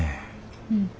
うん。